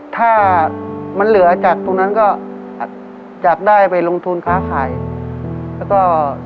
ถ้ามันเหลือจากตรงนั้นก็อยากได้ไปลงทุนค้าขายแล้วก็